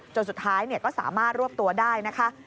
สุดท้ายก็สามารถรวบตัวได้นะคะ